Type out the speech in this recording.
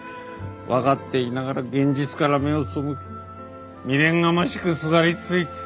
分かっていながら現実から目を背け未練がましくすがりついて。